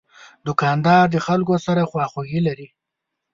دوکاندار د خلکو سره خواخوږي لري.